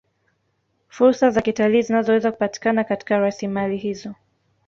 Fursa za kitalii zinazoweza kupatikana katika rasimali hizo